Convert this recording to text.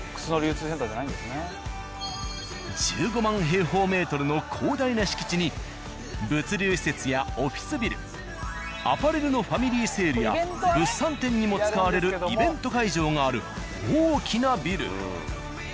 １５万平方メートルの広大な敷地に物流施設やオフィスビルアパレルのファミリーセールや物産展にも使われるイベント会場がある大きなビル。